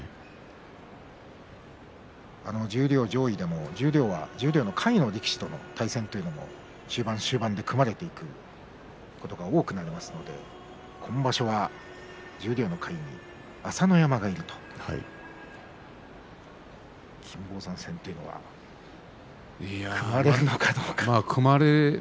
十両上位でも十両の下位の力士と対戦というのも中盤、終盤と組まれていくことが多くなりますので今場所は十両の下位に朝乃山がいると金峰山戦というのは組まれるのかどうかと。